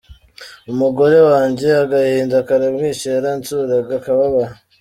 Umugore wanjye agahinda karamwishe, yaransuraga akababara.